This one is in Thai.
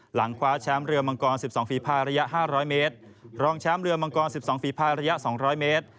หลังคว้าแชมป์เรือมังกร๑๒ฝีภายระยะ๕๐๐เมตรรองแชมป์เรือมังกร๑๒ฝีภายระยะ๒๐๐เมตร